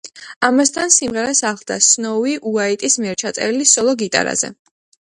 ამასთან, სიმღერას ახლდა სნოუი უაიტის მიერ ჩაწერილი სოლო გიტარაზე.